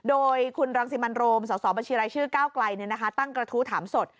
โดยคุณรังสิบันโลมสบชก้าวไกลตั้งกระทู้ถามสด